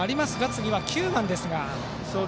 次は９番ですが。